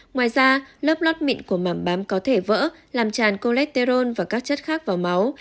ngoài ra lớp lót mịn của mảng bám có thể vỡ làm tràn coletteron và các chất khác vào máu